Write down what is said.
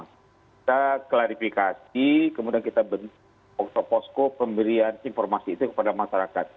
kita klarifikasi kemudian kita bentuk posko pemberian informasi itu kepada masyarakat